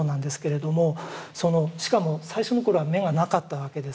しかも最初の頃は眼がなかったわけです。